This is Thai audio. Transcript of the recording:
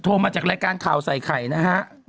มาจากรายการข่าวใส่ไข่นะฮะ